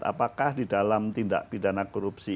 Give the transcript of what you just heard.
apakah di dalam tindak pidana korupsi